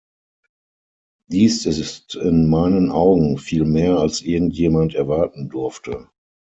Dies ist in meinen Augen viel mehr, als irgend jemand erwarten durfte.